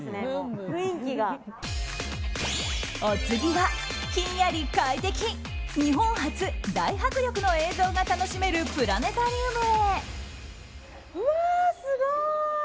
お次は、ひんやり快適日本初、大迫力の映像が楽しめるプラネタリウム。